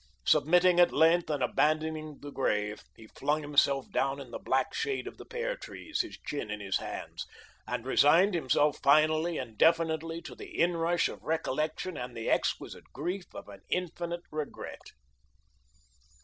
Submitting at length, and abandoning the grave, he flung himself down in the black shade of the pear trees, his chin in his hands, and resigned himself finally and definitely to the inrush of recollection and the exquisite grief of an infinite regret.